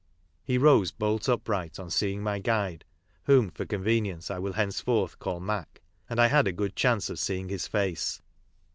He rose bolt upright on seeing my guide (whom, fo^ convenience, 1 will henceforth call Mac), and I had a good chance of seeing his face.